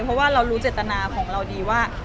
เพราะว่าเรารู้เจตนาของเราดีว่า